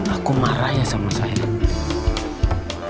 aku marah ya sama saya